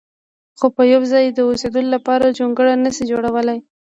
خو په یو ځای د اوسېدلو لپاره جونګړه نه شي جوړولی.